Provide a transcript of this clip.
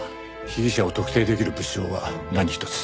被疑者を特定できる物証は何一つ。